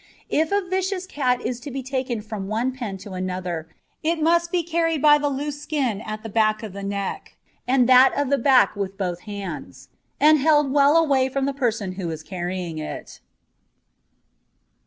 If a vicious cat is to be taken from one pen to another, it must be carried by the loose skin at the back of the neck and that of the back with both hands, and held well away from the person who is carrying it.